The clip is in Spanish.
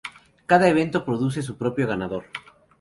Cada evento produce su propio ganador.